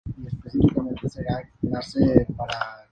En el espacio tridimensional, se requieren tres coordenadas espaciales.